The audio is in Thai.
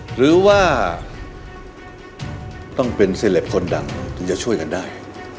หรือว่าต้องเป็นเซลปคนดังถึงจะช่วยกันได้